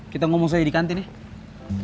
kita ngomong saja di kantin ya